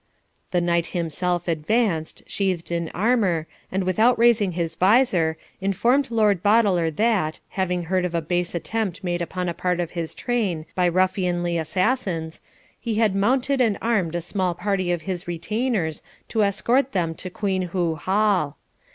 The knight himself advanced, sheathed in armour, and, without raising his visor, informed Lord Boteler that, having heard of a base attempt made upon a part of his train by ruffianly assassins, he had mounted and armed a small party of his retainers to escort them to Queenhoo Hall.